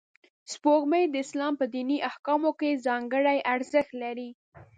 سپوږمۍ د اسلام په دیني احکامو کې ځانګړی ارزښت لري